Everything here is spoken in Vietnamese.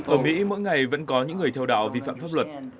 ở mỹ mỗi ngày vẫn có những người theo đạo vi phạm pháp luật